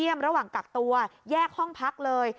แยกห้องพักเลย